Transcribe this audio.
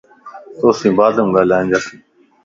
توسين بعد م ڳالھيائنداس